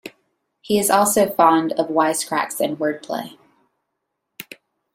He is also fond of wisecracks and wordplay.